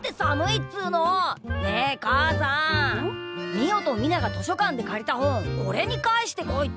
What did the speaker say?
美音と美奈が図書館で借りた本おれに返してこいって。